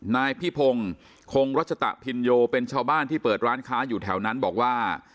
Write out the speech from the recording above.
นายพิพงศ์คงรัชตะพินโยเป็นชาวบ้านที่เปิดร้านค้าอยู่แถวนั้นบอกว่า